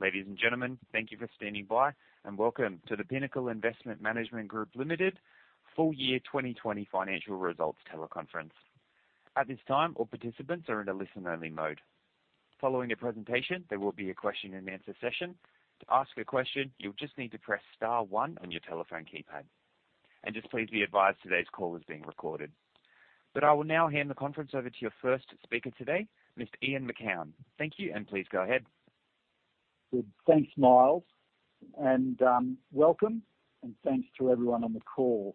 Ladies and gentlemen, thank you for standing by. Welcome to the Pinnacle Investment Management Group Limited full year 2020 financial results teleconference. At this time, all participants are in a listen-only mode. Following the presentation, there will be a question and answer session. To ask a question, you'll just need to press star one on your telephone keypad. Just please be advised, today's call is being recorded. I will now hand the conference over to your first speaker today, Mr. Ian Macoun. Thank you. Please go ahead. Good. Thanks, Miles, and welcome, and thanks to everyone on the call.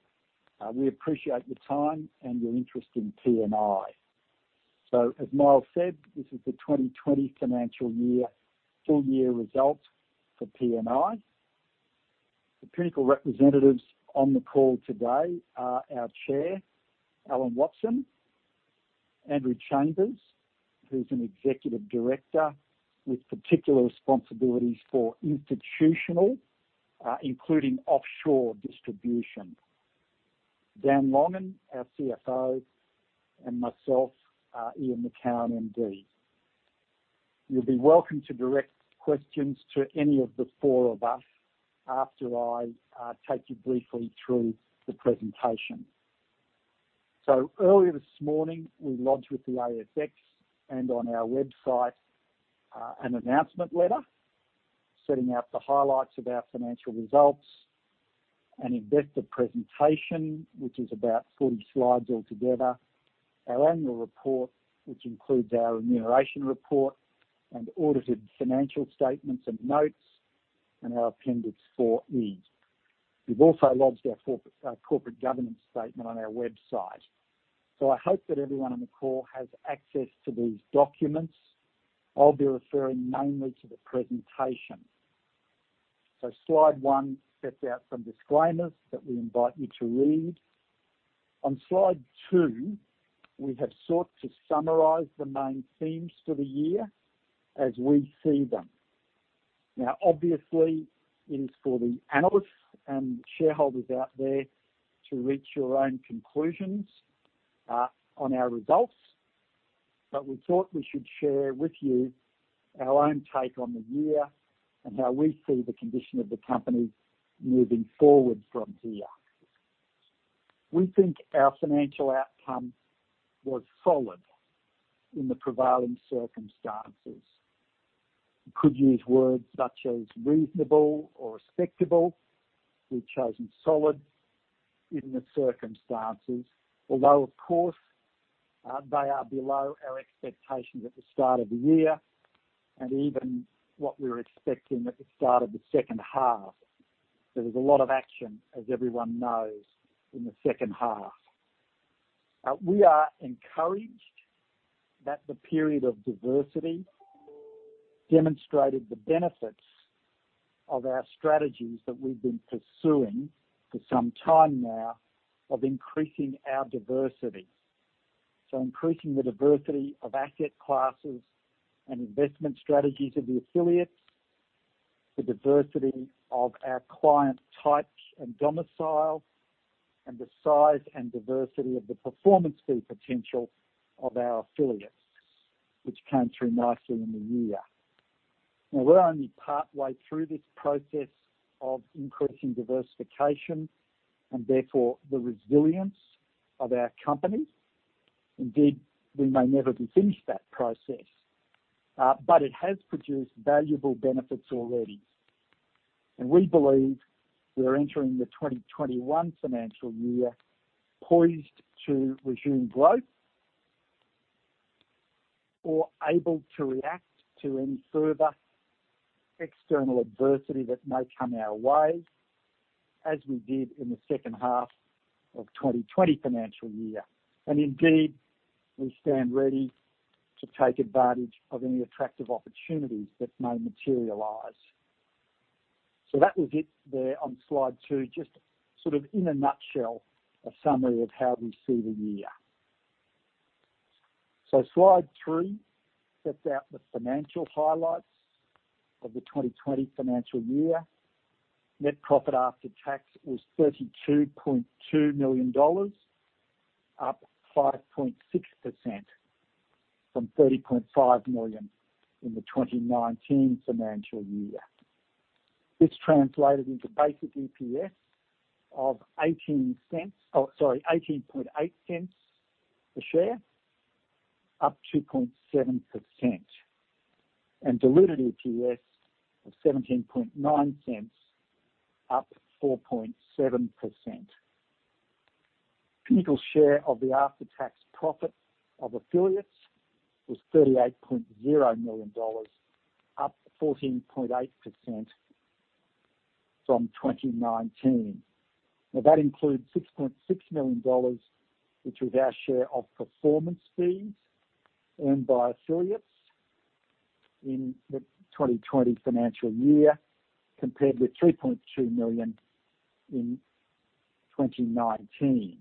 We appreciate your time and your interest in PNI. As Miles said, this is the 2020 financial year full year results for PNI. The Pinnacle representatives on the call today are our Chair, Alan Watson, Andrew Chambers, who's an Executive Director with particular responsibilities for institutional, including offshore distribution, Dan Longan, our CFO, and myself, Ian Macoun, MD. You'll be welcome to direct questions to any of the four of us after I take you briefly through the presentation. Earlier this morning, we lodged with the ASX and on our website an announcement letter setting out the highlights of our financial results, an investor presentation, which is about 40 slides altogether, our annual report, which includes our remuneration report and audited financial statements and notes, and our Appendix 4E. We've also lodged our corporate governance statement on our website. I hope that everyone on the call has access to these documents. I'll be referring mainly to the presentation. Slide one sets out some disclaimers that we invite you to read. On slide two, we have sought to summarize the main themes for the year as we see them. Now, obviously, it is for the analysts and shareholders out there to reach your own conclusions on our results. We thought we should share with you our own take on the year and how we see the condition of the company moving forward from here. We think our financial outcome was solid in the prevailing circumstances. We could use words such as reasonable or respectable. We've chosen solid in the circumstances, although of course, they are below our expectations at the start of the year and even what we were expecting at the start of the second half. There was a lot of action, as everyone knows, in the second half. We are encouraged that the period of adversity demonstrated the benefits of our strategies that we've been pursuing for some time now of increasing our diversity. Increasing the diversity of asset classes and investment strategies of the affiliates, the diversity of our client types and domiciles, and the size and diversity of the performance fee potential of our affiliates, which came through nicely in the year. Now, we're only partway through this process of increasing diversification and therefore the resilience of our company. Indeed, we may never be finished that process, but it has produced valuable benefits already. We believe we are entering the 2021 financial year poised to resume growth or able to react to any further external adversity that may come our way, as we did in the second half of 2020 financial year. Indeed, we stand ready to take advantage of any attractive opportunities that may materialize. That was it there on slide two, just sort of in a nutshell, a summary of how we see the year. Slide three sets out the financial highlights of the 2020 financial year. Net profit after tax was AUD 32.2 million, up 5.6% from AUD 30.5 million in the 2019 financial year. This translated into basic EPS of 0.188 a share, up 2.7%, and diluted EPS of 0.179, up 4.7%. Pinnacle share of the after-tax profit of affiliates was 38.0 million dollars, up 14.8% from 2019. That includes 6.6 million dollars, which was our share of performance fees earned by affiliates in the 2020 financial year, compared with 3.2 million in 2019.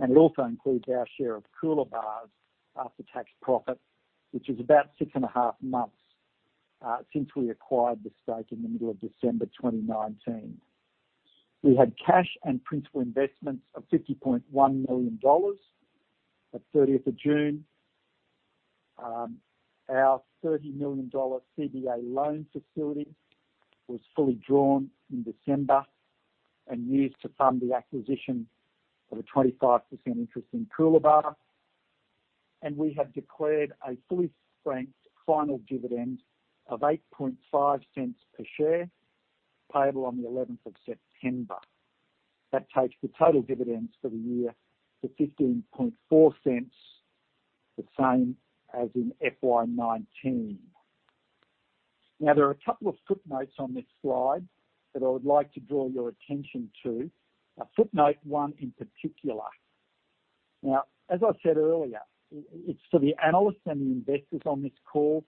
It also includes our share of Coolabah's after-tax profit, which is about six and a half months, since we acquired the stake in the middle of December 2019. We had cash and principal investments of 50.1 million dollars at 30th of June. Our 30 million dollar CBA loan facility was fully drawn in December and used to fund the acquisition of a 25% interest in Coolabah, and we have declared a fully franked final dividend of 0.085 per share, payable on the 11th of September. That takes the total dividends for the year to 0.154, the same as in FY 2019. There are a couple of footnotes on this slide that I would like to draw your attention to. Footnote one in particular. As I said earlier, it's for the analysts and the investors on this call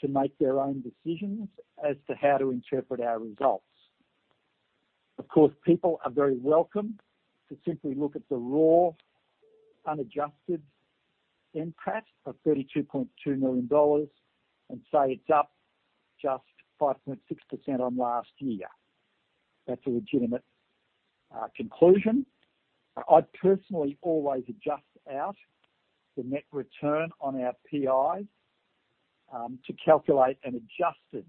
to make their own decisions as to how to interpret our results. Of course, people are very welcome to simply look at the raw, unadjusted NPAT of 32.2 million dollars and say, "It's up just 5.6% on last year." That's a legitimate conclusion. I'd personally always adjust out the net return on our PIs to calculate an adjusted,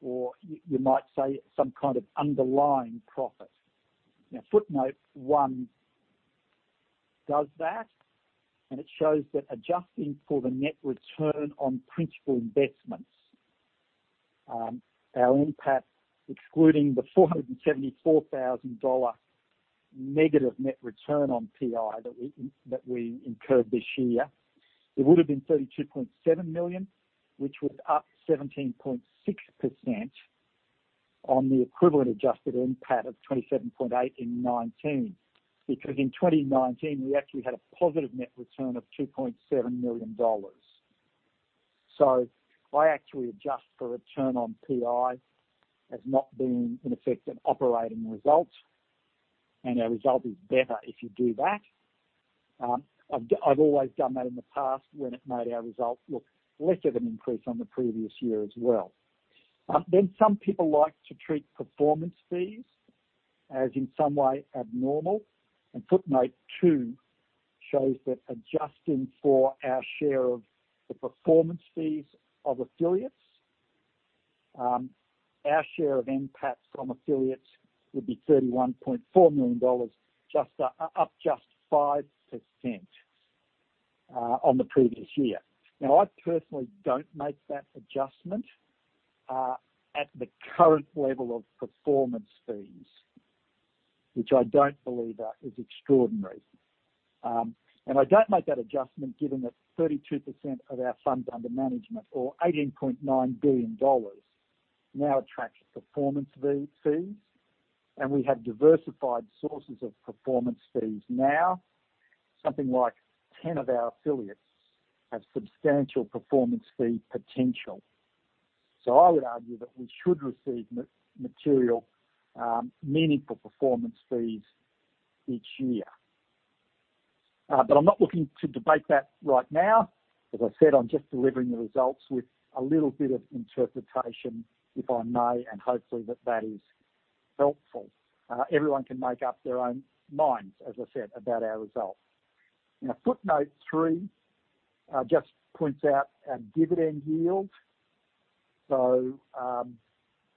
or you might say some kind of underlying profit. Footnote one does that, and it shows that adjusting for the net return on principal investments, our NPAT, excluding the 474,000 dollar negative net return on PI that we incurred this year, it would've been 32.7 million, which was up 17.6% on the equivalent adjusted NPAT of 27.8 in 2019. Because in 2019, we actually had a positive net return of 2.7 million dollars. I actually adjust for return on PI as not being, in effect, an operating result, and our result is better if you do that. I've always done that in the past when it made our result look less of an increase on the previous year as well. Some people like to treat performance fees as in some way abnormal, and footnote two shows that adjusting for our share of the performance fees of affiliates, our share of NPAT from affiliates would be 31.4 million dollars, up just 5% on the previous year. I personally don't make that adjustment at the current level of performance fees, which I don't believe is extraordinary. I don't make that adjustment given that 32% of our funds under management or 18.9 billion dollars now attracts performance fees, and we have diversified sources of performance fees now. Something like 10 of our affiliates have substantial performance fee potential. I would argue that we should receive material, meaningful performance fees each year. I'm not looking to debate that right now. As I said, I'm just delivering the results with a little bit of interpretation, if I may, and hopefully that is helpful. Everyone can make up their own minds, as I said, about our results. Footnote three just points out our dividend yield.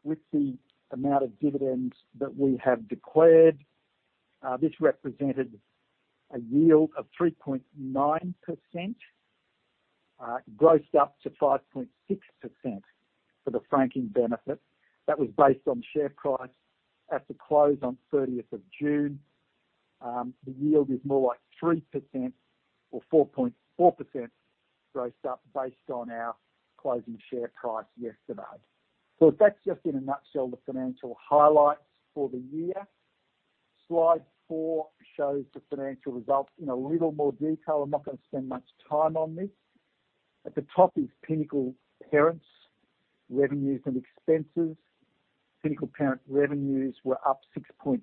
With the amount of dividends that we have declared, this represented a yield of 3.9%, grossed up to 5.6% for the franking benefit. That was based on share price at the close on 30th of June. The yield is more like 3% or 4.4% grossed up based on our closing share price yesterday. That's just in a nutshell, the financial highlights for the year. Slide four shows the financial results in a little more detail. I'm not going to spend much time on this. At the top is Pinnacle Parent's revenues and expenses. Pinnacle Parent revenues were up 6.2%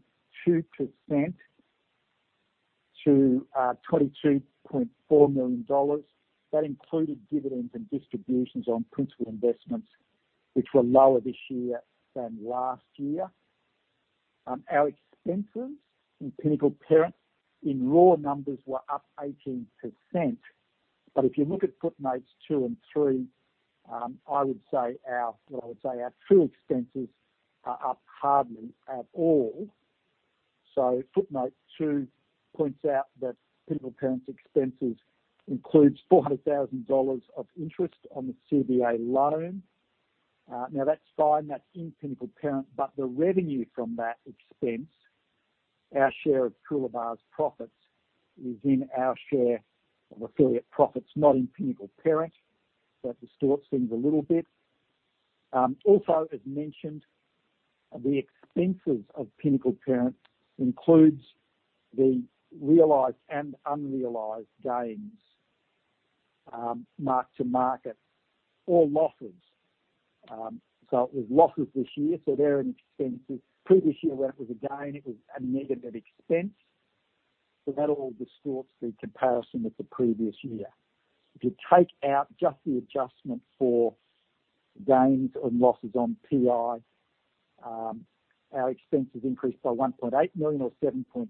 to 22.4 million dollars. That included dividends and distributions on principal investments, which were lower this year than last year. Our expenses in Pinnacle Parent in raw numbers were up 18%, but if you look at footnotes two and three, I would say our true expenses are up hardly at all. Footnote two points out that Pinnacle Parent's expenses includes 400,000 dollars of interest on the CBA loan. That's fine, that's in Pinnacle Parent, but the revenue from that expense, our share of Coolabah's profits, is in our share of affiliate profits, not in Pinnacle Parent. That distorts things a little bit. As mentioned, the expenses of Pinnacle Parent includes the realized and unrealized gains, mark-to-market, or losses. It was losses this year, so they're an expense. Previous year when it was a gain, it was a negative expense. That all distorts the comparison with the previous year. If you take out just the adjustment for gains and losses on PI, our expenses increased by 1.8 million or 7.2%.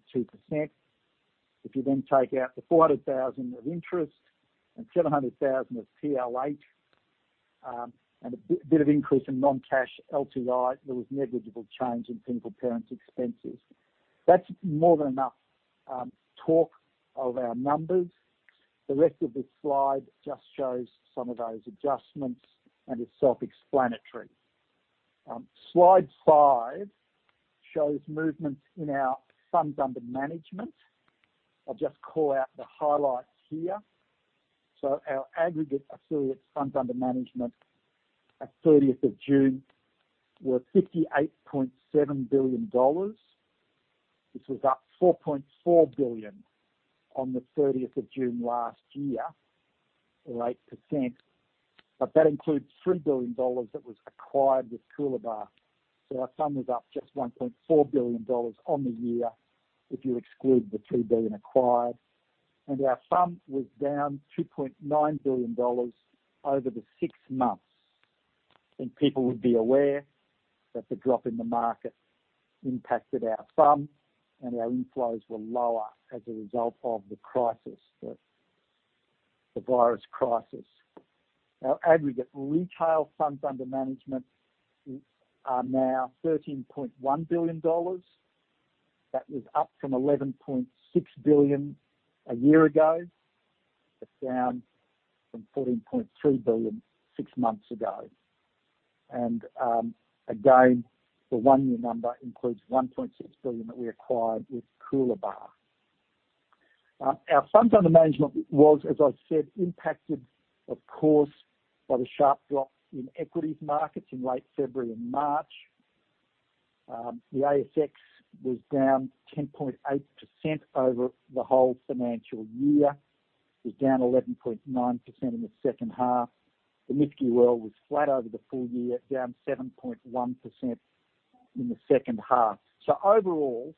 If you take out the 400,000 of interest and 700,000 of PLH, and a bit of increase in non-cash LTI, there was negligible change in Pinnacle Parent's expenses. That's more than enough talk of our numbers. The rest of this slide just shows some of those adjustments and is self-explanatory. Slide five shows movements in our funds under management. I'll just call out the highlights here. Our aggregate affiliate funds under management at thirtieth of June were 58.7 billion dollars. This was up 4.4 billion on the thirtieth of June last year or 8%. That includes 3 billion dollars that was acquired with Coolabah. Our FUM was up just 1.4 billion dollars on the year if you exclude the 2 billion acquired. Our fund was down 2.9 billion dollars over the six months. People would be aware that the drop in the market impacted our fund and our inflows were lower as a result of the crisis, the virus crisis. Our aggregate retail funds under management are now 13.1 billion dollars. That was up from 11.6 billion a year ago, down from 14.3 billion six months ago. Again, the one-year number includes 1.6 billion that we acquired with Coolabah. Our funds under management was, as I said, impacted, of course, by the sharp drop in equities markets in late February and March. The ASX was down 10.8% over the whole financial year. It was down 11.9% in the second half. The MSCI World was flat over the full year, down 7.1% in the second half. Overall,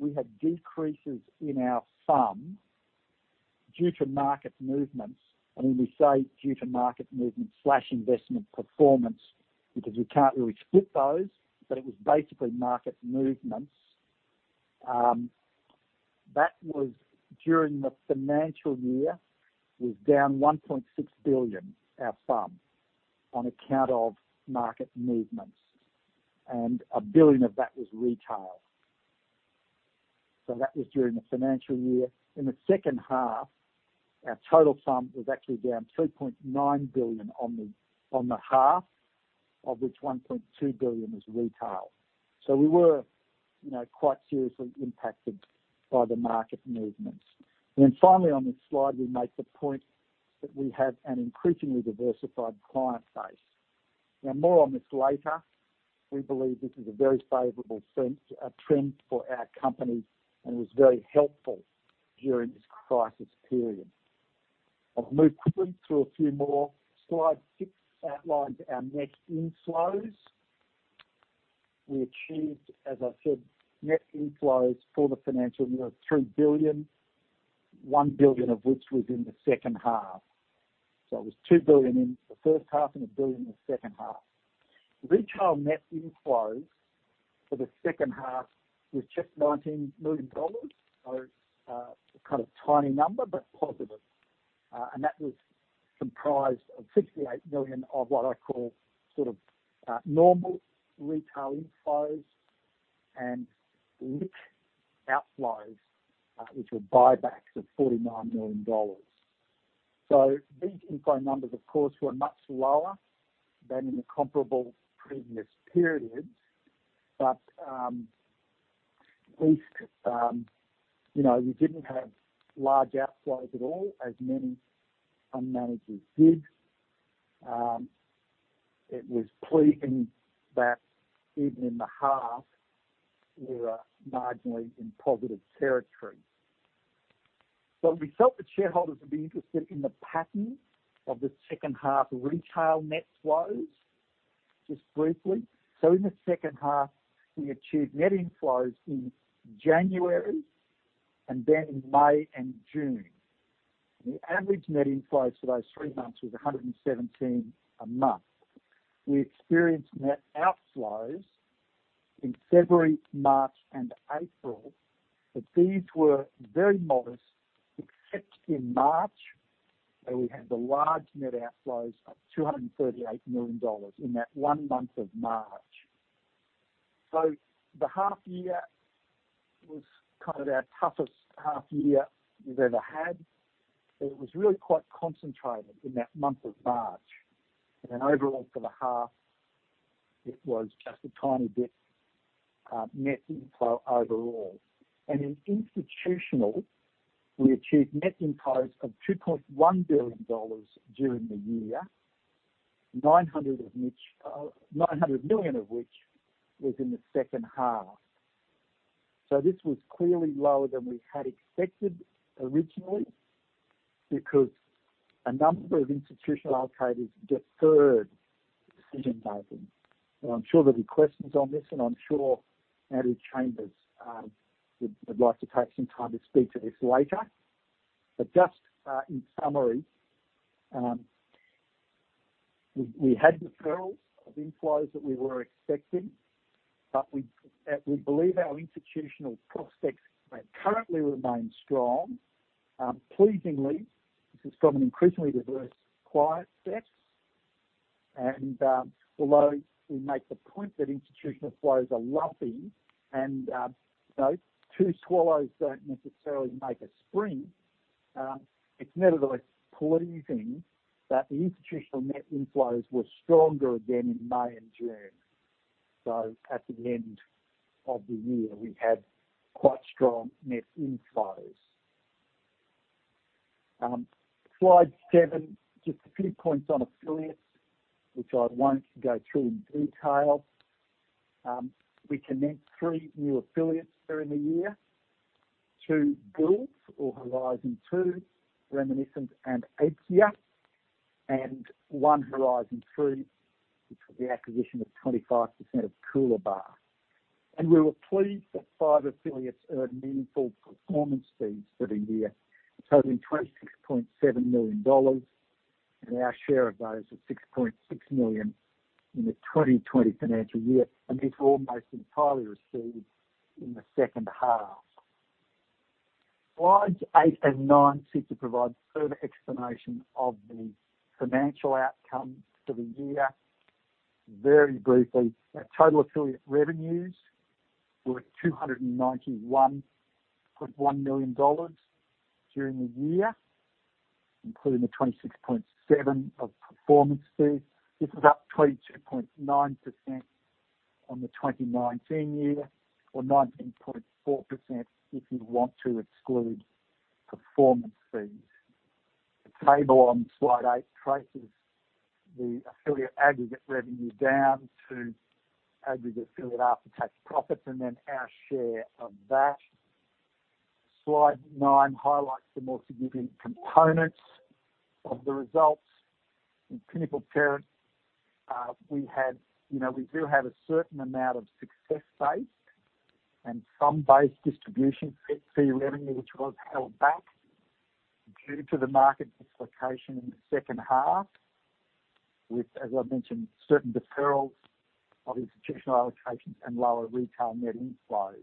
we had decreases in our FUM due to market movements. When we say due to market movements/investment performance, because we can't really split those, but it was basically market movements. That was during the financial year, was down 1.6 billion, our FUM, on account of market movements, and 1 billion of that was retail. That was during the financial year. In the second half, our total sum was actually down 2.9 billion on the half, of which 1.2 billion was retail. We were quite seriously impacted by the market movements. Finally on this slide, we make the point that we have an increasingly diversified client base. More on this later. We believe this is a very favorable trend for our company and was very helpful during this crisis period. I'll move quickly to a few more. Slide six outlines our net inflows. We achieved, as I said, net inflows for the financial year of 3 billion, 1 billion of which was in the second half. It was 2 billion in the first half and 1 billion in the second half. Retail net inflows for the second half was just 19 million dollars. It's a kind of tiny number, but positive. That was comprised of 68 million of what I call sort of normal retail inflows and LIC outflows, which were buybacks of 49 million dollars. These inflow numbers, of course, were much lower than in the comparable previous periods. At least we didn't have large outflows at all, as many fund managers did. It was pleasing that even in the half, we were marginally in positive territory. We felt that shareholders would be interested in the pattern of the second half retail net flows, just briefly. In the second half, we achieved net inflows in January and then in May and June. The average net inflows for those three months was 117 million a month. We experienced net outflows in February, March, and April, but these were very modest except in March, where we had the large net outflows of 238 million dollars in that one month of March. The half year was our toughest half year we've ever had, but it was really quite concentrated in that month of March. Overall for the half, it was just a tiny bit net inflow overall. In institutional, we achieved net inflows of 2.1 billion dollars during the year, 900 million of which was in the second half. This was clearly lower than we had expected originally because a number of institutional allocators deferred decision-making. I'm sure there'll be questions on this, and I'm sure Andrew Chambers would like to take some time to speak to this later. Just in summary, we had deferrals of inflows that we were expecting, but we believe our institutional prospects currently remain strong. Pleasingly, this is from an increasingly diverse client set. Although we make the point that institutional flows are lumpy and two swallows don't necessarily make a spring, it's nevertheless pleasing that the institutional net inflows were stronger again in May and June. At the end of the year, we had quite strong net inflows. Slide seven, just a few points on affiliates, which I won't go through in detail. We commenced three new affiliates during the year, two builds or Horizon Two, Reminiscent and Aikya, and one Horizon Three, which was the acquisition of 25% of Coolabah. We were pleased that five affiliates earned meaningful performance fees for the year, totaling 26.7 million dollars, and our share of those was 6.6 million in the 2020 financial year. This was almost entirely received in the second half. Slides eight and nine seek to provide further explanation of the financial outcomes for the year. Very briefly, our total affiliate revenues were at 291.1 million dollars during the year, including the 26.7 million of performance fees. This is up 22.9% on the 2019 year or 19.4% if you want to exclude performance fees. The table on slide eight traces the affiliate aggregate revenue down to aggregate affiliate after-tax profits. Then our share of that. Slide nine highlights the more significant components of the results. In Pinnacle Parent, we do have a certain amount of success base and some base distribution fee revenue which was held back due to the market dislocation in the second half with, as I mentioned, certain deferrals of institutional allocations and lower retail net inflows.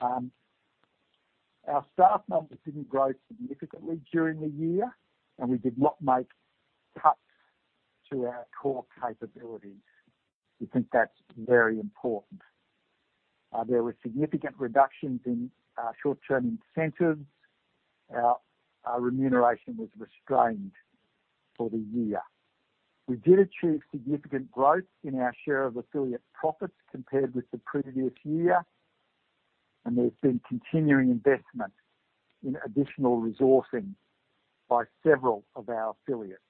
Our staff numbers didn't grow significantly during the year, we did not make cuts to our core capabilities. We think that's very important. There were significant reductions in short-term incentives. Our remuneration was restrained for the year. We did achieve significant growth in our share of affiliate profits compared with the previous year, there's been continuing investment in additional resourcing by several of our affiliates,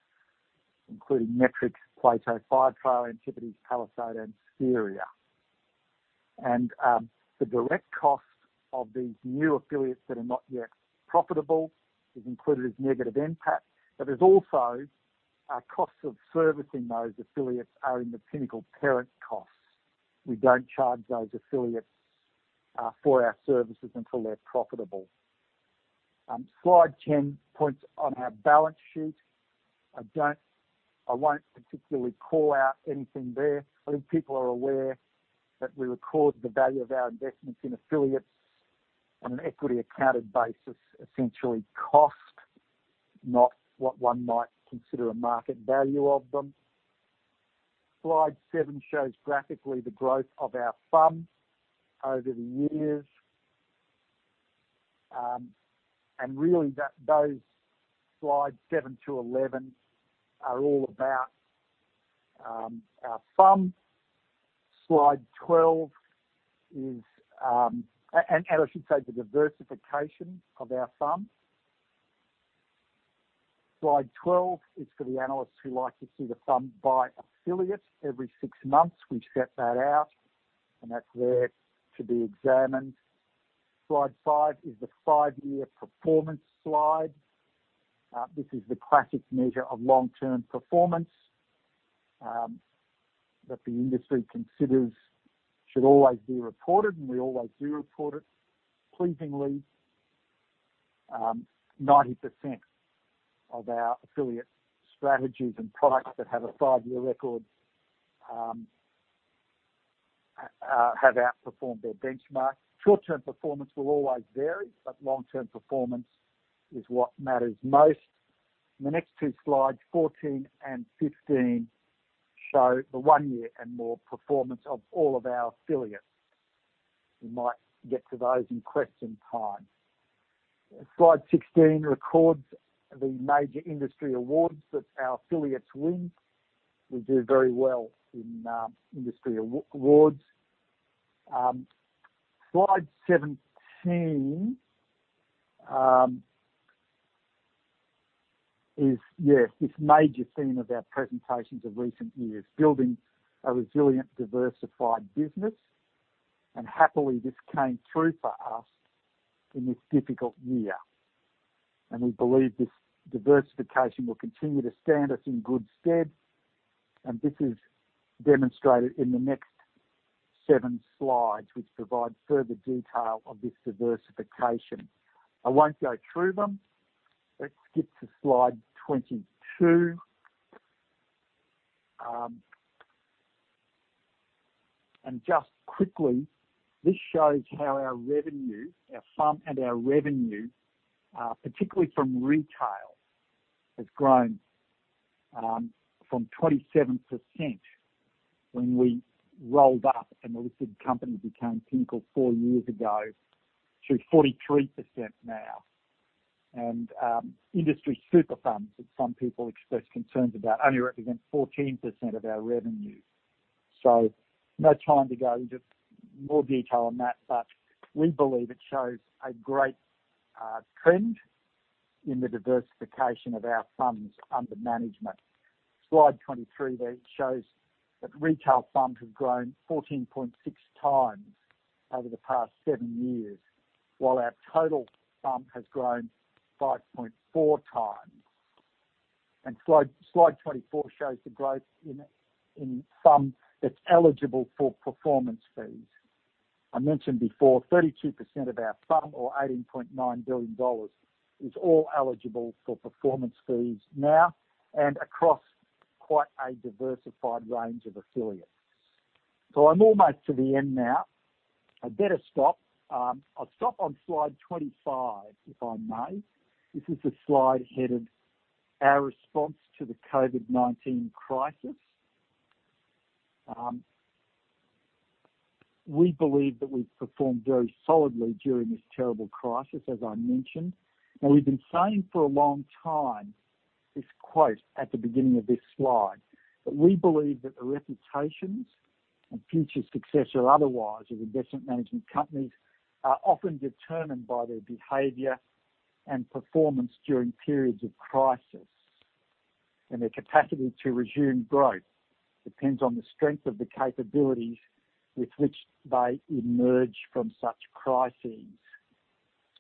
including Metrics, Plato, Firetrail, Antipodes, Palisade, and Spheria. The direct costs of these new affiliates that are not yet profitable is included as negative NPAT. There's also our costs of servicing those affiliates are in the Pinnacle parent costs. We don't charge those affiliates for our services until they're profitable. Slide 10 points on our balance sheet. I won't particularly call out anything there. I think people are aware that we record the value of our investments in affiliates on an equity-accounted basis, essentially cost, not what one might consider a market value of them. Slide seven shows graphically the growth of our FUM over the years. Really those slides, seven to 11, are all about our FUM. I should say the diversification of our FUM. Slide 12 is for the analysts who like to see the FUM by affiliate every six months. We set that out, and that's there to be examined. Slide five is the five-year performance slide. This is the classic measure of long-term performance that the industry considers should always be reported, and we always do report it. Pleasingly, 90% of our affiliate strategies and products that have a five-year record have outperformed their benchmark. Short-term performance will always vary, but long-term performance is what matters most. The next two slides, 14 and 15, show the one year and more performance of all of our affiliates. We might get to those in question time. Slide 16 records the major industry awards that our affiliates win. We do very well in industry awards. Slide 17 is, yes, this major theme of our presentations of recent years, building a resilient, diversified business. Happily, this came through for us in this difficult year. We believe this diversification will continue to stand us in good stead, and this is demonstrated in the next seven slides, which provide further detail of this diversification. I won't go through them. Let's skip to slide 22. Just quickly, this shows how our FUM and our revenue, particularly from retail, has grown from 27% when we rolled up and the listed company became Pinnacle four years ago, to 43% now. Industry super FUMs that some people express concerns about only represent 14% of our revenue. No time to go into more detail on that, but we believe it shows a great trend in the diversification of our funds under management. Slide 23 there shows that retail FUMs have grown 14.6 times over the past seven years, while our total FUM has grown 5.4x. Slide 24 shows the growth in FUM that's eligible for performance fees. I mentioned before, 32% of our FUM or 18.9 billion dollars is all eligible for performance fees now and across quite a diversified range of affiliates. I'm almost to the end now. I better stop. I'll stop on slide 25, if I may. This is the slide headed, Our response to the COVID-19 crisis. We believe that we've performed very solidly during this terrible crisis, as I mentioned. We've been saying for a long time this quote at the beginning of this slide, that "We believe that the reputations and future success or otherwise of investment management companies are often determined by their behavior and performance during periods of crisis, and their capacity to resume growth depends on the strength of the capabilities with which they emerge from such crises."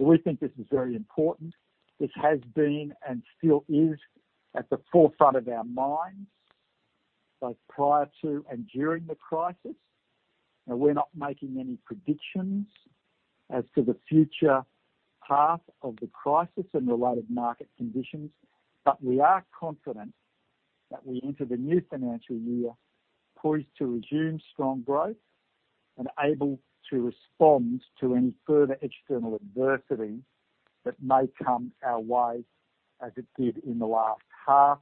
We think this is very important. This has been, and still is, at the forefront of our minds, both prior to and during the crisis. We're not making any predictions as to the future path of the crisis and related market conditions, but we are confident that we enter the new financial year poised to resume strong growth and able to respond to any further external adversity that may come our way as it did in the last half,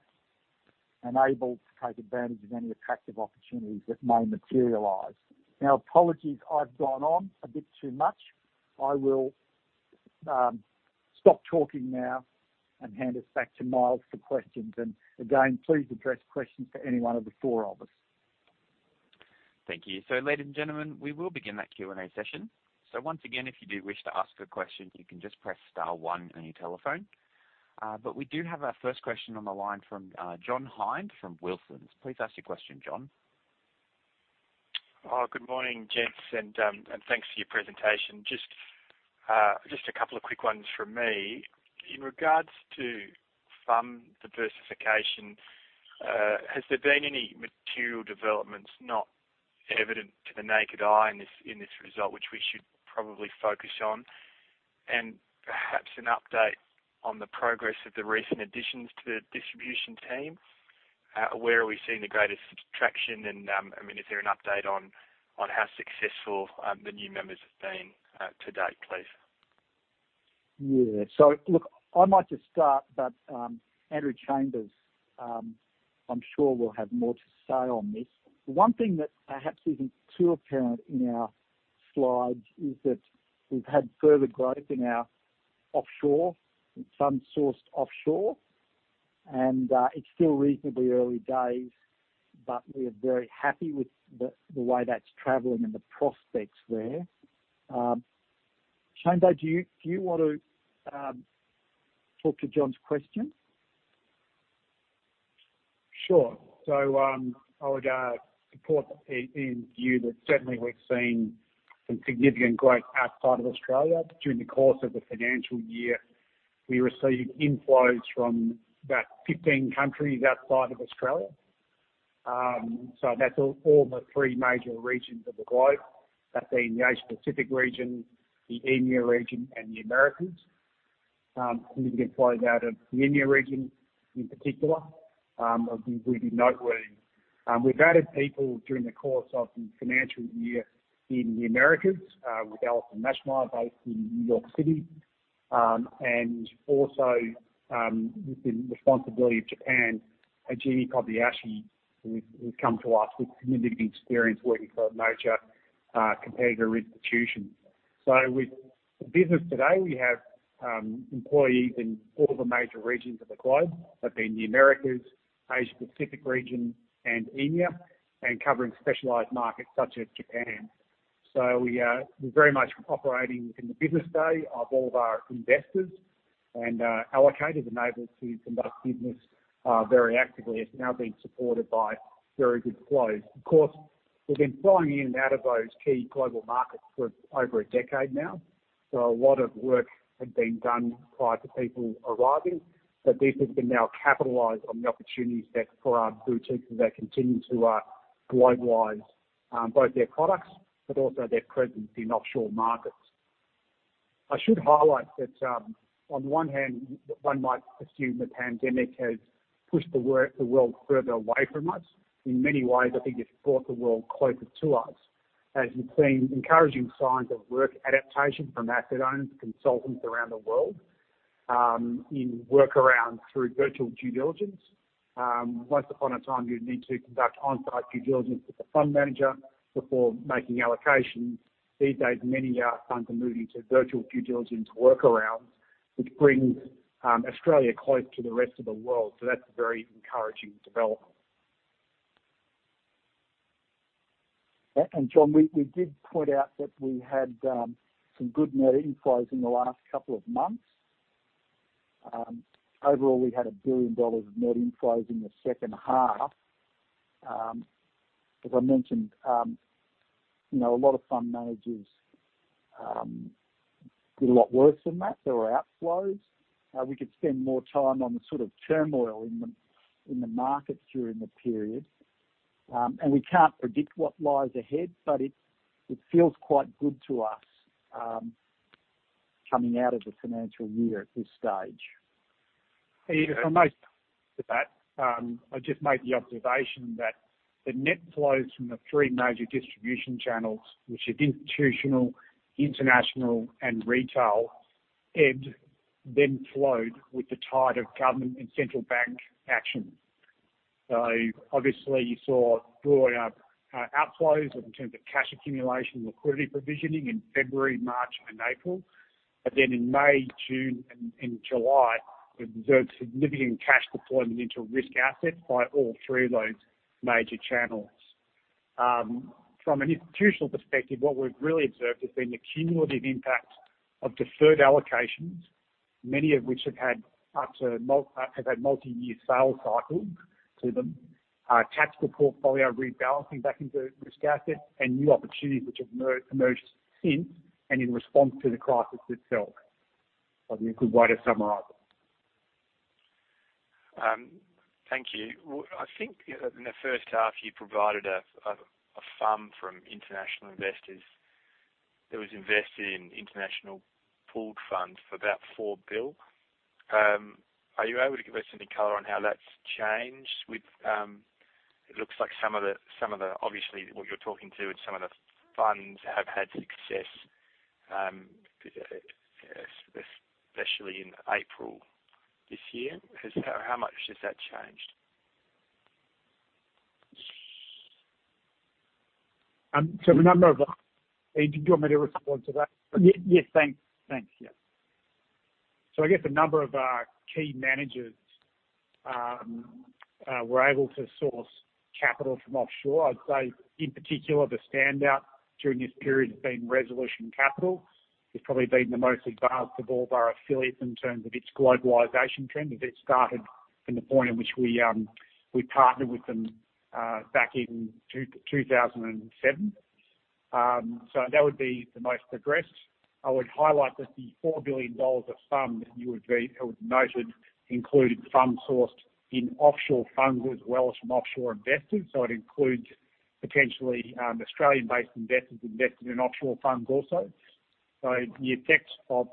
and able to take advantage of any attractive opportunities that may materialize. Apologies, I've gone on a bit too much. I will stop talking now and hand us back to Miles for questions. Again, please address questions for any one of the four of us. Thank you. Ladies and gentlemen, we will begin that Q&A session. Once again, if you do wish to ask a question, you can just press star one on your telephone. We do have our first question on the line from John Hinde from Wilsons. Please ask your question, John. Good morning, gents. Thanks for your presentation. Just a couple of quick ones from me. In regards to FUM diversification, has there been any material developments not evident to the naked eye in this result, which we should probably focus on? Perhaps an update on the progress of the recent additions to the distribution team. Where are we seeing the greatest traction, and is there an update on how successful the new members have been to date, please? Look, I might just start, but Andrew Chambers I'm sure will have more to say on this. One thing that perhaps isn't too apparent in our slides is that we've had further growth in our offshore, in FUM sourced offshore, and it's still reasonably early days, but we are very happy with the way that's traveling and the prospects there. Chambers, do you want to talk to John's question? Sure. I would support Ian's view that certainly we've seen some significant growth outside of Australia. During the course of the financial year, we received inflows from about 15 countries outside of Australia. That's all the three major regions of the globe. That being the Asia Pacific region, the EMEA region, and the Americas. Significant flows out of the EMEA region in particular, would be noteworthy. We've added people during the course of the financial year in the Americas, with Allison Najmabadi based in New York City, and also with the responsibility of Japan, Hajime Kobayashi, who's come to us with significant experience working for major competitor institutions. With the business today, we have employees in all the major regions of the globe, that being the Americas, Asia Pacific region, and EMEA, and covering specialized markets such as Japan. We are very much operating within the business day of all of our investors, and our allocators are able to conduct business very actively. It's now being supported by very good flows. Of course, we've been flying in and out of those key global markets for over a decade now, a lot of work had been done prior to people arriving. This has been now capitalized on the opportunities there for our boutiques as they continue to globalize both their products but also their presence in offshore markets. I should highlight that on one hand, one might assume the pandemic has pushed the world further away from us. In many ways, I think it's brought the world closer to us, as we've seen encouraging signs of work adaptation from asset owners and consultants around the world in workarounds through virtual due diligence. Once upon a time, you'd need to conduct on-site due diligence with the fund manager before making allocations. These days, many funds are moving to virtual due diligence workarounds, which brings Australia close to the rest of the world. That's a very encouraging development. Yeah. John, we did point out that we had some good net inflows in the last couple of months. Overall, we had 1 billion dollars of net inflows in the second half. As I mentioned, a lot of fund managers did a lot worse than that. There were outflows. We could spend more time on the sort of turmoil in the markets during the period. We can't predict what lies ahead, but it feels quite good to us coming out of the financial year at this stage. If I may add to that, I'd just make the observation that the net flows from the three major distribution channels, which are the institutional, international, and retail, ebbed then flowed with the tide of government and central bank action. Obviously you saw drawing up outflows in terms of cash accumulation and liquidity provisioning in February, March, and April. In May, June, and July, we observed significant cash deployment into risk assets by all three of those major channels. From an institutional perspective, what we've really observed has been the cumulative impact of deferred allocations, many of which have had multi-year sales cycles to them, tactical portfolio rebalancing back into risk assets, and new opportunities which have emerged since and in response to the crisis itself. That'd be a good way to summarize it. Thank you. I think in the first half you provided a FUM from international investors that was invested in international pooled funds for about 4 billion. Are you able to give us any color on how that's changed with, it looks like some of the, obviously what you're talking to in some of the funds have had success, especially in April this year. How much has that changed? The number of- Ian, do you want me to respond to that? Yes, thanks. I guess a number of our key managers were able to source capital from offshore. I'd say in particular, the standout during this period has been Resolution Capital. It's probably been the most advanced of all of our affiliates in terms of its globalization trend, as it started from the point in which we partnered with them back in 2007. That would be the most progressed. I would highlight that the 4 billion dollars of FUM that you would be, noted included FUM sourced in offshore funds as well as from offshore investors. It includes potentially Australian-based investors invested in offshore funds also. The effect of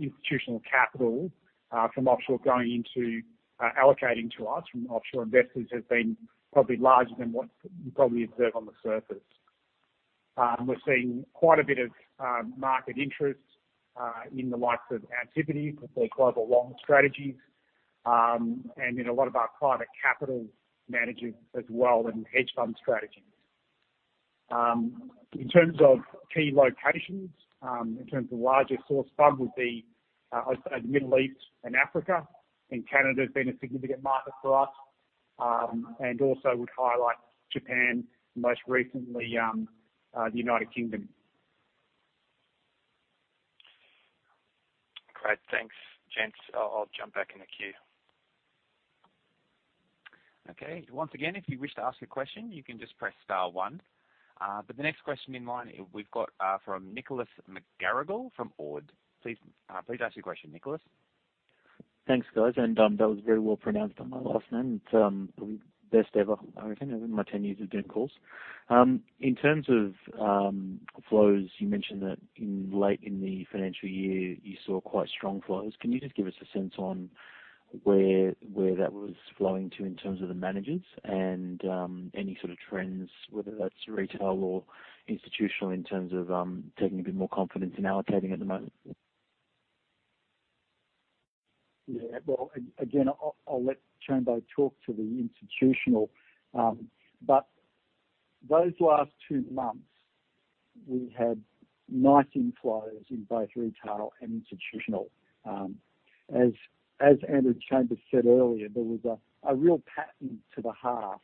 institutional capital from offshore going into allocating to us from offshore investors has been probably larger than what you probably observe on the surface. We're seeing quite a bit of market interest in the likes of Antipodes with their global long strategies, and in a lot of our private capital managers as well, and hedge fund strategies. In terms of key locations, in terms of larger source FUM would be, I'd say the Middle East and Africa, and Canada has been a significant market for us, and also would highlight Japan, and most recently, the United Kingdom. Great. Thanks, gents. I'll jump back in the queue. Okay. Once again, if you wish to ask a question, you can just press star one. The next question in line we've got from Nicholas McGarrigle from Ord. Please ask your question, Nicholas. Thanks, guys. That was very well pronounced on my last name. Probably the best ever, I reckon, in my 10 years of doing calls. In terms of flows, you mentioned that late in the financial year, you saw quite strong flows. Can you just give us a sense on where that was flowing to in terms of the managers and any sort of trends, whether that's retail or institutional, in terms of taking a bit more confidence in allocating at the moment? Yeah. Well, again, I'll let Chambers talk to the institutional. Those last two months, we had nice inflows in both retail and institutional. As Andrew Chambers said earlier, there was a real pattern to the half.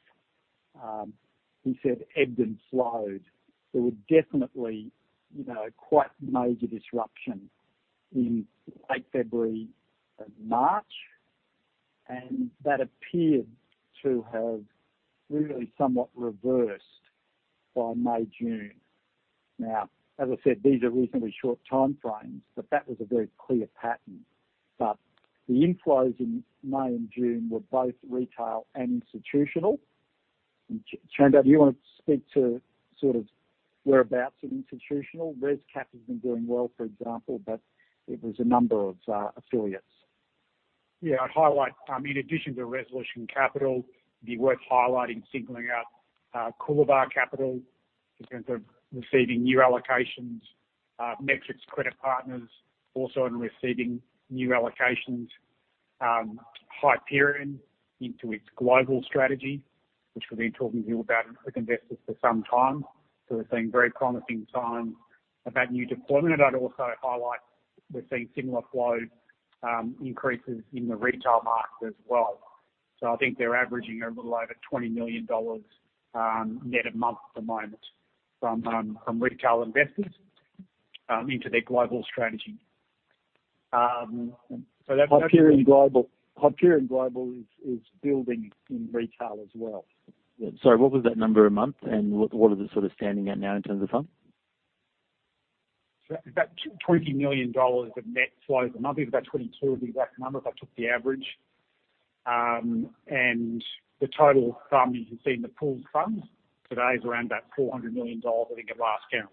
He said ebbed and flowed. There were definitely quite major disruption in late February and March, and that appeared to have really somewhat reversed by May, June. As I said, these are reasonably short time frames, but that was a very clear pattern. The inflows in May and June were both retail and institutional. Chambers, do you want to speak to whereabouts in institutional? Res Cap has been doing well, for example, but it was a number of affiliates. Yeah, I'd highlight, in addition to Resolution Capital, be worth highlighting, singling out Coolabah Capital in terms of receiving new allocations. Metrics Credit Partners also on receiving new allocations. Hyperion into its global strategy, which we've been talking to you about at Quick Investors for some time. We're seeing very promising signs about new deployment. I'd also highlight we're seeing similar flow increases in the retail market as well. I think they're averaging a little over 20 million dollars net a month at the moment from retail investors into their global strategy. Hyperion Global is building in retail as well. Sorry, what was that number a month, and what is it standing at now in terms of funds? About AUD 20 million of net flows a month, it was about 22 million of the exact numbers. I took the average. The total sum, as you see in the pooled funds, today is around about 400 million dollars, I think, at last count.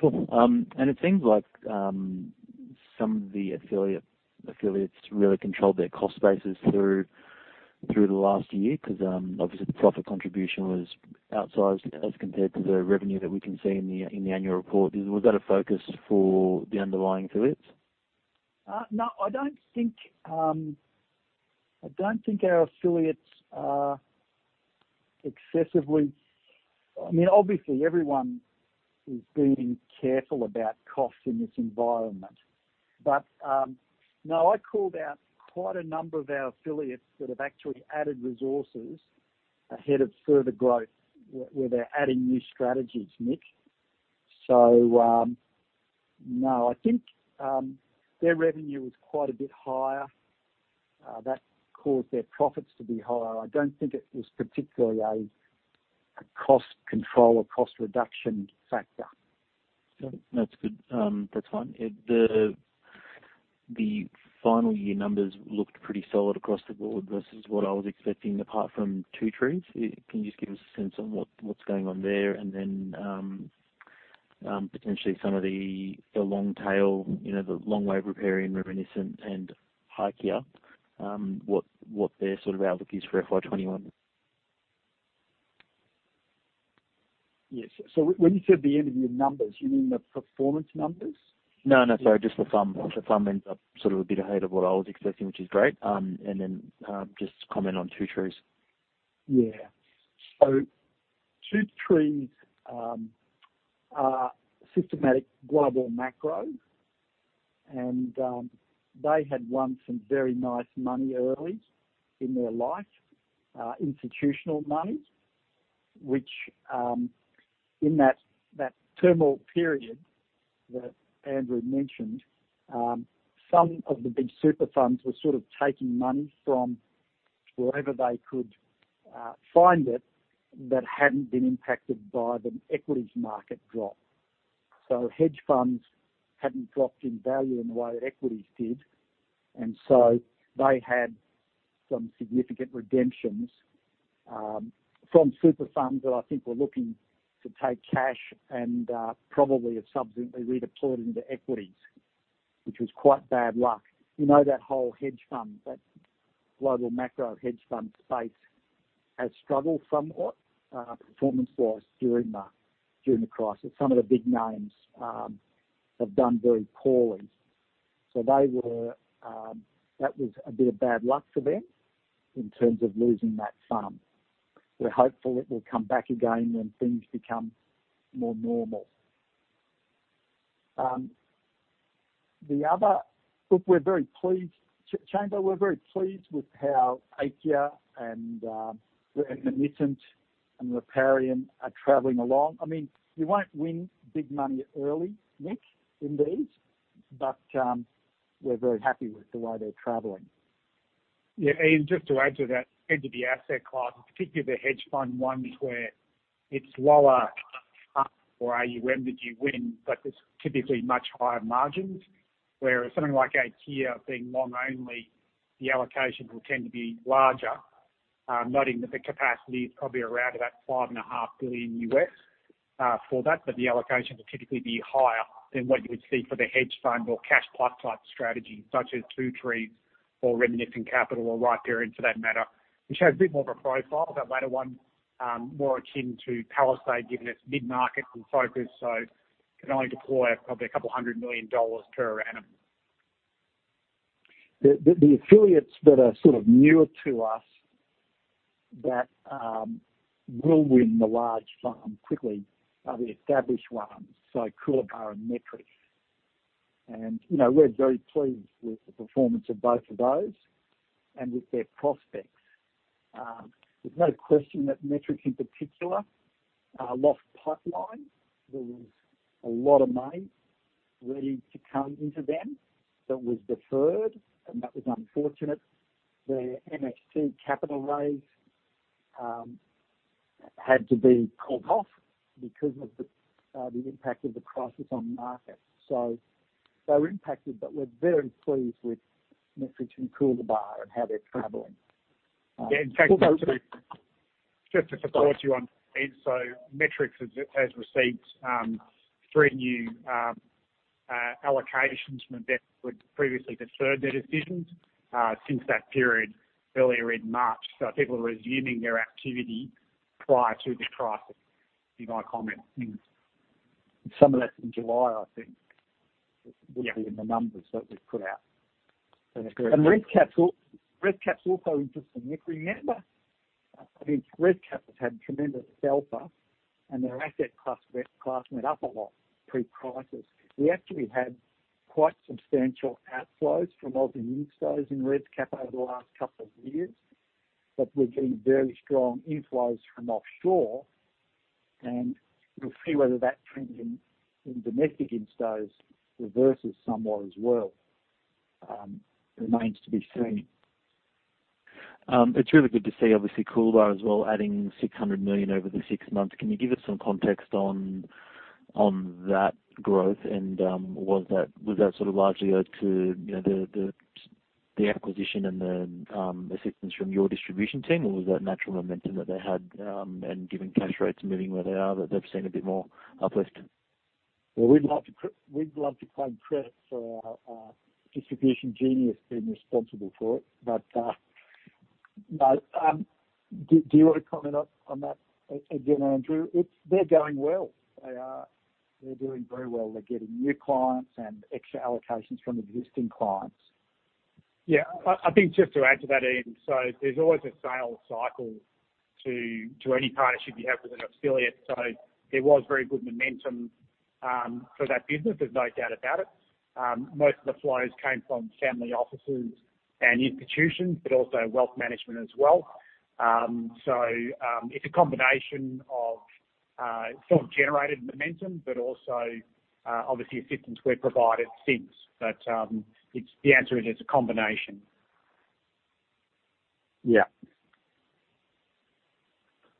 Cool. It seems like some of the affiliates really controlled their cost bases through the last year because, obviously, the profit contribution was outsized as compared to the revenue that we can see in the annual report. Was that a focus for the underlying affiliates? No, I don't think our affiliates are excessively. Obviously, everyone is being careful about cost in this environment. No, I called out quite a number of our affiliates that have actually added resources ahead of further growth where they're adding new strategies, Nick. No, I think their revenue was quite a bit higher. That caused their profits to be higher. I don't think it was particularly a cost control or cost reduction factor. That's good. That's fine. The final year numbers looked pretty solid across the board versus what I was expecting, apart from Two Trees. Can you just give us a sense on what's going on there? Then potentially some of the long tail, the Longwave, Riparian, Reminiscent, and Aikya, what their outlook is for FY 2021? Yes. When you said the end of year numbers, you mean the performance numbers? No, no, sorry. Just the fund. The fund ends up a bit ahead of what I was expecting, which is great. Just comment on Two Trees. Yeah. Two Trees are systematic global macro, and they had won some very nice money early in their life, institutional money, which, in that turmoil period that Andrew mentioned, some of the big super funds were sort of taking money from wherever they could find it that hadn't been impacted by the equities market drop. Hedge funds hadn't dropped in value in the way that equities did, and they had some significant redemptions from super funds that I think were looking to take cash and probably have subsequently redeployed into equities, which was quite bad luck. You know that whole hedge fund, that global macro hedge fund space has struggled somewhat, performance-wise during the crisis. Some of the big names have done very poorly. That was a bit of bad luck for them in terms of losing that sum. We're hopeful it will come back again when things become more normal. Look, we're very pleased, Chambers, we're very pleased with how Aikya and Reminiscent and Riparian are traveling along. You won't win big money early, Nick, in these, but we're very happy with the way they're traveling. Ian, just to add to that, hedge fund is the asset class, and particularly the hedge fund ones where it's lower or AUM that you win, but there's typically much higher margins, whereas something like Aikya being long only, the allocations will tend to be larger. Noting that the capacity is probably around about $5.5 billion U.S. for that, but the allocations will typically be higher than what you would see for the hedge fund or cash plus type strategy, such as Two Trees or Reminiscent Capital or Riparian, for that matter, which has a bit more of a profile, that latter one, more akin to Palisade, given its mid-market focus, so can only deploy probably 200 million dollars per annum. The affiliates that are newer to us that will win the large fund quickly are the established ones, so Coolabah and Metrics. We're very pleased with the performance of both of those and with their prospects. There's no question that Metrics, in particular, lost pipeline. There was a lot of money ready to come into them that was deferred, and that was unfortunate. Their MXT capital raise had to be called off because of the impact of the crisis on the market. They were impacted, but we're very pleased with Metrics and Coolabah and how they're traveling. In fact, just to support you on that, Ian. Metrics has received three new allocations from a debt who had previously deferred their decisions since that period earlier in March. People are resuming their activity prior to the crisis, in my comments, Ian. Some of that's in July, I think. Yeah would be in the numbers that we've put out. That's correct. ResCap's also interesting. If you remember, I think ResCap has had tremendous alpha and their asset class went up a lot pre-crisis. We actually had quite substantial outflows from Aussie instos in ResCap over the last couple of years, but we're getting very strong inflows from offshore, and we'll see whether that trend in domestic instos reverses somewhat as well. Remains to be seen. It's really good to see, obviously, Coolabah as well adding 600 million over the six months. Can you give us some context on that growth, and was that largely owed to the acquisition and the assistance from your distribution team, or was that natural momentum that they had and given cash rates moving where they are, that they've seen a bit more uplift? Well, we'd love to claim credit for our distribution genius being responsible for it. Do you want to comment on that again, Andrew? They're going well. They are. They're doing very well. They're getting new clients and extra allocations from existing clients. Yeah. I think just to add to that, Ian, there's always a sales cycle to any partnership you have with an affiliate. There was very good momentum for that business, there's no doubt about it. Most of the flows came from family offices and institutions, also wealth management as well. It's a combination of self-generated momentum, also, obviously, assistance we've provided since. The answer is it's a combination. Yeah.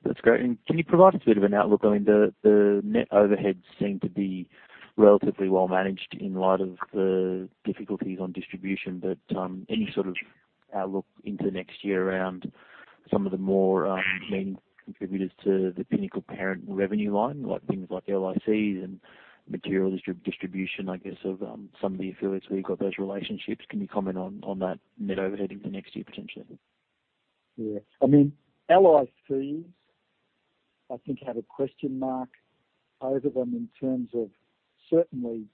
That’s great. Can you provide us a bit of an outlook? I mean, the net overheads seem to be relatively well managed in light of the difficulties on distribution. Any sort of outlook into next year around some of the more main contributors to the Pinnacle Parent revenue line, things like LICs and material distribution, I guess, of some of the affiliates where you’ve got those relationships. Can you comment on that net overhead into next year, potentially? Yeah. I mean, LICs, I think have a question mark over them in terms of certainly,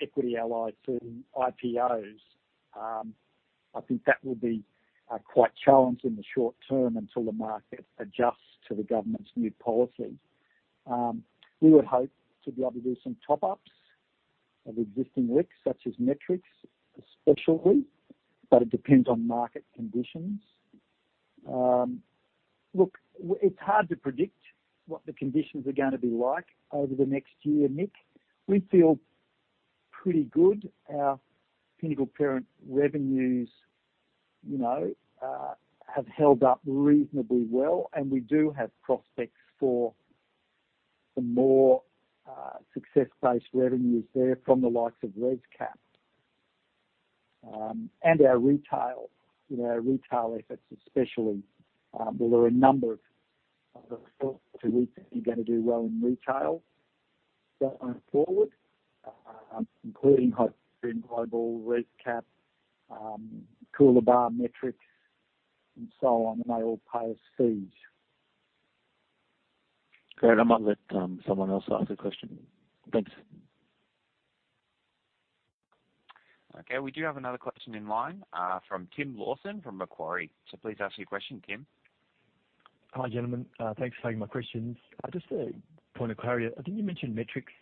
Equity Allied certain IPOs. I think that will be quite challenged in the short term until the market adjusts to the government's new policy. We would hope to be able to do some top-ups of existing LITs, such as Metrics, especially. It depends on market conditions. Look, it's hard to predict what the conditions are gonna be like over the next year, Nick. We feel pretty good. Our Pinnacle Parent revenues have held up reasonably well, and we do have prospects for some more success-based revenues there from the likes of ResCap and our retail efforts, especially. There are a number of other efforts to retail that are going to do well in retail going forward, including Hyperion Global, ResCap, Coolabah, Metrics, and so on, and they all pay us fees. Great. I might let someone else ask a question. Thanks. Okay, we do have another question in line from Tim Lawson from Macquarie. Please ask your question, Tim. Hi, gentlemen. Thanks for taking my questions. Just a point of clarity. I think you mentioned Metrics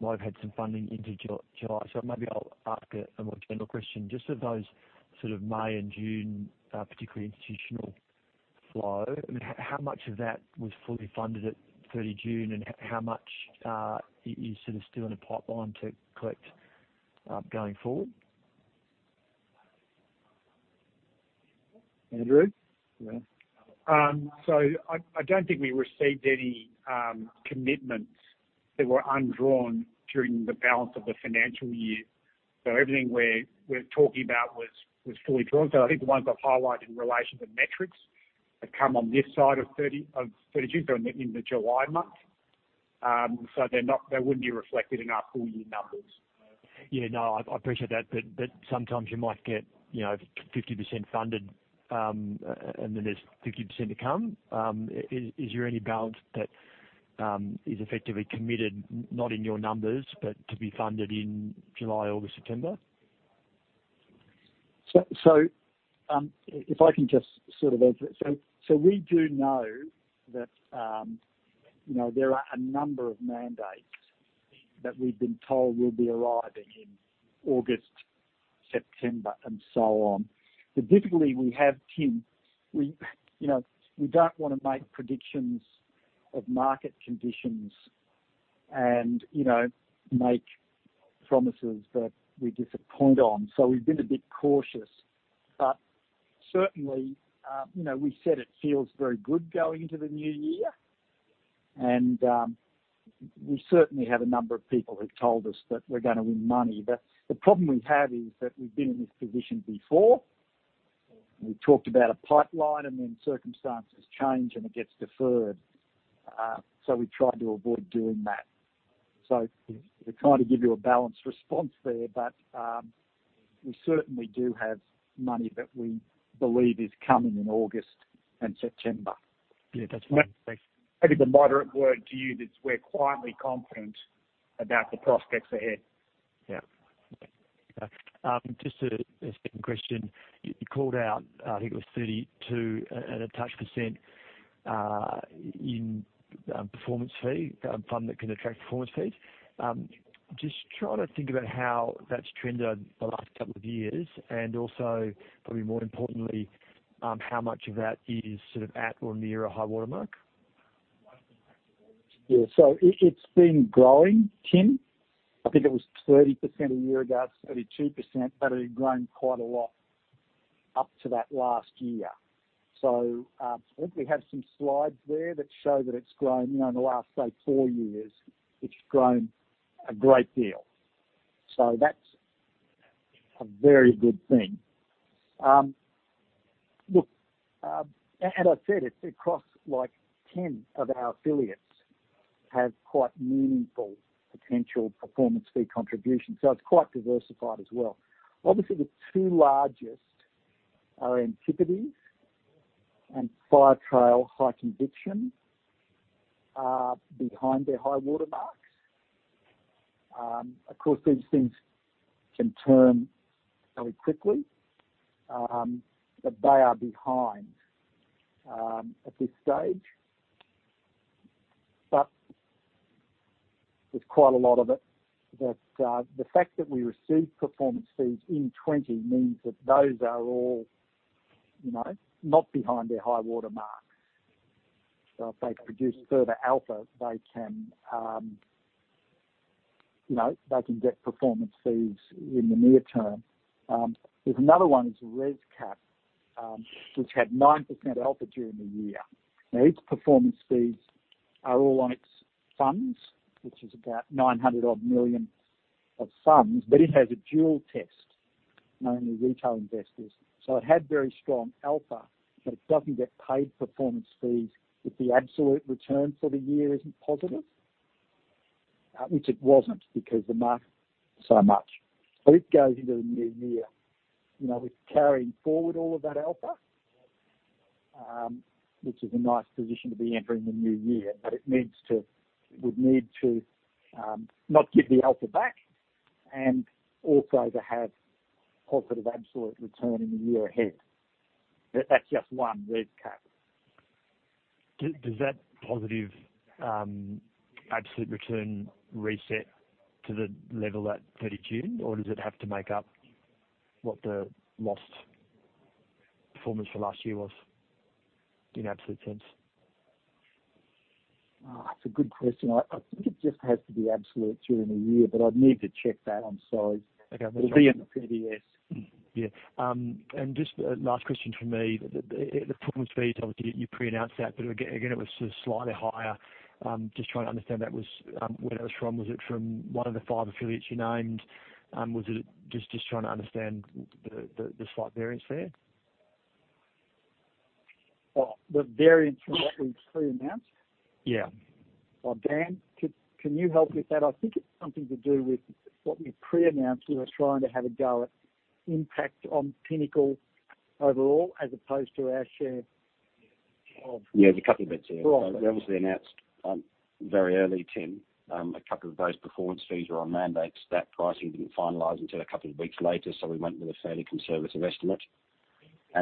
might have had some funding into July. Maybe I'll ask a more general question. Just of those May and June, particularly institutional flow, how much of that was fully funded at 30 June and how much is still in the pipeline to collect going forward? Andrew? I don't think we received any commitments that were undrawn during the balance of the financial year. Everything we're talking about was fully drawn. I think the ones I've highlighted in relation to Metrics have come on this side of 30 June, so in the July month. They wouldn't be reflected in our full-year numbers. I appreciate that, sometimes you might get 50% funded, and then there's 50% to come. Is there any balance that is effectively committed, not in your numbers, but to be funded in July, August, September? If I can just answer that. We do know that there are a number of mandates that we've been told will be arriving in August, September, and so on. The difficulty we have, Tim, we don't want to make predictions of market conditions and make promises that we disappoint on. We've been a bit cautious, but certainly, we said it feels very good going into the new year, and we certainly have a number of people who've told us that we're going to win money. The problem we have is that we've been in this position before. We've talked about a pipeline and then circumstances change, and it gets deferred. We've tried to avoid doing that. We're trying to give you a balanced response there, but we certainly do have money that we believe is coming in August and September. Yeah, that's fine. Thanks. Maybe the moderate word to you is we're quietly confident about the prospects ahead. Yeah. Just a second question. You called out, I think it was 32 and a touch percent in performance fee, fund that can attract performance fees. Also probably more importantly, how much of that is at or near a high-water mark? Yeah. It's been growing, Tim. I think it was 30% a year ago, 32%, but it had grown quite a lot up to that last year. I think we have some slides there that show that it's grown in the last, say, four years. It's grown a great deal. That's a very good thing. Look, as I said, it's across 10 of our affiliates have quite meaningful potential performance fee contribution. It's quite diversified as well. Obviously, the two largest are Antipodes and Firetrail High Conviction behind their high-water marks. Of course, these things can turn very quickly, but they are behind at this stage. There's quite a lot of it that the fact that we receive performance fees in 2020 means that those are all not behind their high-water mark. If they produce further alpha, they can get performance fees in the near term. There's another one, is ResCap, which had 9% alpha during the year. Now, its performance fees are all on its funds, which is about 900 odd million of funds, but it has a dual test, namely retail investors. It had very strong alpha, but it doesn't get paid performance fees if the absolute return for the year isn't positive, which it wasn't because the market so much. It goes into the new year with carrying forward all of that alpha, which is a nice position to be entering the new year. It would need to not give the alpha back and also to have positive absolute return in the year ahead. That's just one, ResCap. Does that positive absolute return reset to the level at 30 June or does it have to make up what the lost performance for last year was in absolute sense? It's a good question. I think it just has to be absolute during the year, but I'd need to check that. I'm sorry. Okay. It'll be in the PDS. Yeah. Just last question from me. The performance fees, obviously, you pre-announced that, but again, it was just slightly higher. Just trying to understand where that was from. Was it from one of the five affiliates you named? Just trying to understand the slight variance there. The variance from what we've pre-announced? Yeah. Dan, can you help with that? I think it's something to do with what we pre-announced. We were trying to have a go at impact on Pinnacle overall as opposed to our share of- Yeah, there's a couple of bits there. We obviously announced very early, Tim. A couple of those performance fees were on mandates. That pricing didn't finalize until a couple of weeks later. We went with a fairly conservative estimate.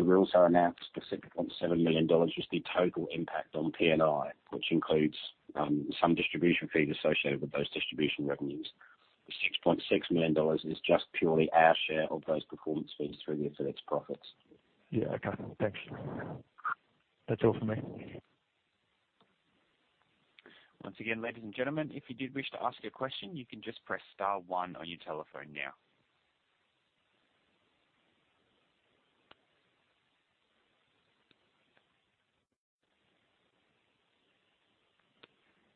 We also announced specifically on the 7 million dollars was the total impact on P&L, which includes some distribution fees associated with those distribution revenues. The 6.6 million dollars is just purely our share of those performance fees through the affiliates' profits. Yeah, okay. Thanks. That's all from me. Once again, ladies and gentlemen, if you did wish to ask a question, you can just press star one on your telephone now.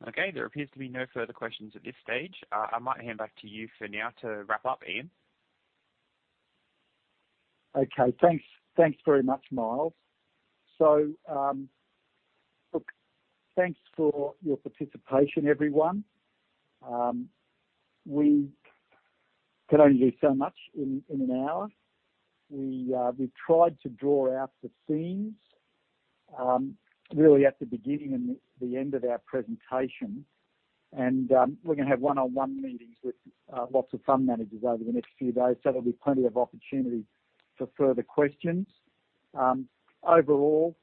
Okay, there appears to be no further questions at this stage. I might hand back to you for now to wrap up, Ian. Thanks very much, Miles. look, thanks for your participation, everyone. We can only do so much in an hour. We've tried to draw out the themes really at the beginning and the end of our presentation. We're going to have one-on-one meetings with lots of fund managers over the next few days. There'll be plenty of opportunity for further questions. Overall,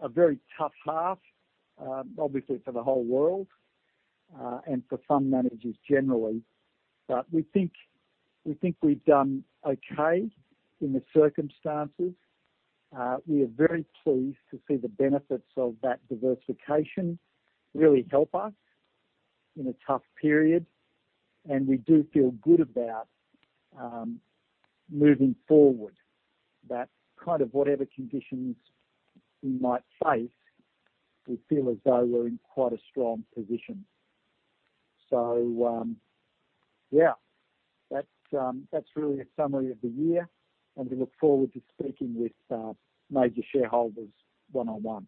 a very tough half, obviously, for the whole world, for fund managers generally. We think we've done okay in the circumstances. We are very pleased to see the benefits of that diversification really help us in a tough period. We do feel good about moving forward. That kind of whatever conditions we might face, we feel as though we're in quite a strong position. Yeah, that's really a summary of the year, and we look forward to speaking with major shareholders one on one.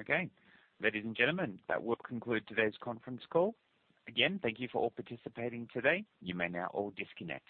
Okay. Ladies and gentlemen, that will conclude today's conference call. Again, thank you for all participating today. You may now all disconnect.